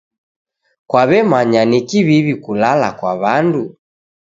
Kwaw'emanya ni kiw'iw'i kulala kwa w'andu.